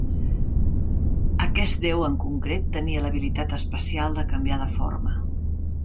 Aquest déu en concret, tenia l'habilitat especial de canviar de forma.